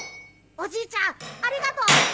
おじいちゃんありがとう。